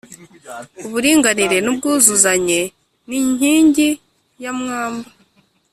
uburinganire n’ubwuzuzanye ni inkingi ya mwamba